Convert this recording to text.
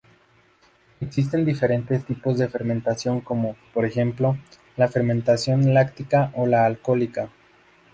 Existen diferentes tipos de fermentación como, por ejemplo, la fermentación láctica o la alcohólica.